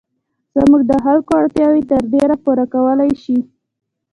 زموږ د خلکو اړتیاوې تر ډېره پوره کولای شي.